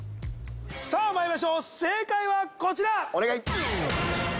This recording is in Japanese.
さあまいりましょう正解はこちら・お願い！